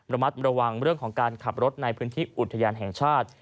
ระมัดระวังเรื่องของการขับรถในพื้นที่อุทยานแห่งชาติ